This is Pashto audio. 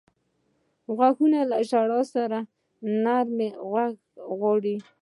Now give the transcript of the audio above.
غوږونه له ژړا سره نرمه غږ غواړي